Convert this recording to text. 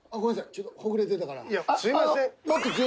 ちょっとほぐれてたから。